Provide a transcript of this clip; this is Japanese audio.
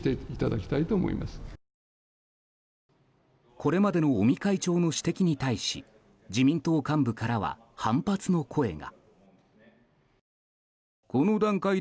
これまでの尾身会長の指摘に対し自民党幹部からは、反発の声が。